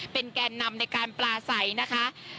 แกนนำในการปลาใสนะคะ